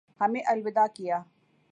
ہمیں الوداع کیا